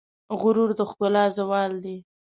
غرور د ښکلا زوال دی.